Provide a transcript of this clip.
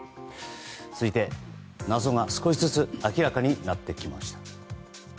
続いて謎が少しずつ明らかになってきました。